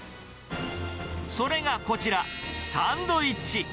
それがこちら、サンドイッチ。